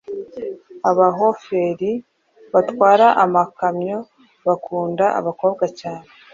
Abahoferi batwara amakamyo bakunda abakobwa cyane